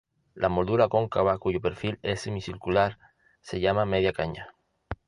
La moldura cóncava cuyo perfil es semicircular se llama media caña.